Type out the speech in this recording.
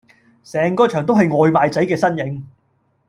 成個場都係外賣仔嘅身影